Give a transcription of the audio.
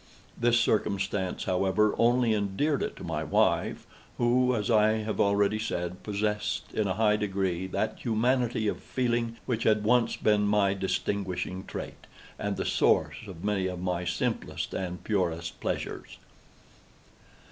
This circumstance, however, only endeared it to my wife, who, as I have already said, possessed, in a high degree, that humanity of feeling which had once been my distinguishing trait, and the source of many of my simplest and purest pleasures.